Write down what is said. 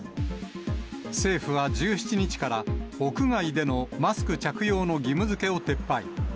政府は１７日から、屋外でのマスク着用の義務づけを撤廃。